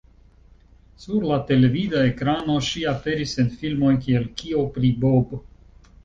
Sur la televida ekrano, ŝi aperis en filmoj kiel "Kio pri Bob?